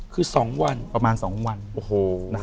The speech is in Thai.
คือ๒วันประมาณ๒วัน